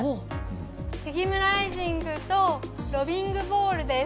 スギムライジングとロビングボールです。